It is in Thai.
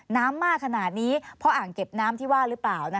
น้ำมากขนาดนี้เพราะอ่างเก็บน้ำที่ว่าหรือเปล่า